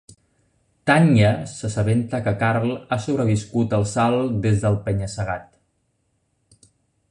Tanya s'assabenta que Karl ha sobreviscut al salt des del penya-segat.